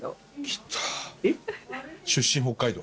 きた出身北海道。